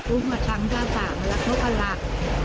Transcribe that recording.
อุ้มมาชั้นทางหน้าต่างตนหลัก